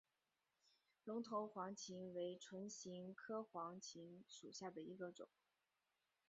龙头黄芩为唇形科黄芩属下的一个种。